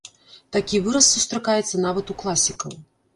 Такі выраз сустракаецца нават у класікаў.